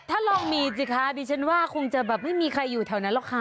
ถ้าลองมีสิคะดิฉันว่าคงจะแบบไม่มีใครอยู่แถวนั้นหรอกค่ะ